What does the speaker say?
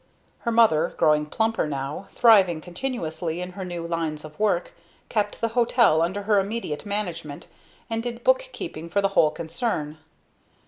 Her mother, growing plumper now, thriving continuously in her new lines of work, kept the hotel under her immediate management, and did bookkeeping for the whole concern.